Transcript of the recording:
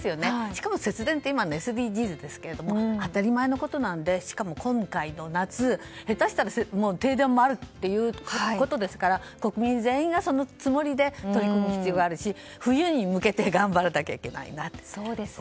しかも節電って今ＳＤＧｓですが当たり前のことなのでしかも今回の夏下手したら停電もあるっていうことですから国民全員がそのつもりで取り組む必要があるし冬に向けて頑張らなきゃいけないと。